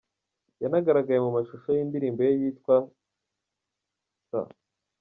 Yanagaragaye mu mashusho y’indirimbo ye yitwa ’S.